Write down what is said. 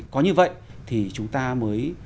có như vậy thì chúng ta mới